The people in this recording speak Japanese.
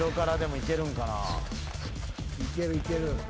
いけるいける。